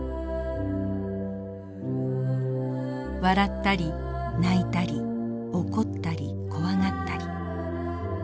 笑ったり泣いたり怒ったり怖がったり。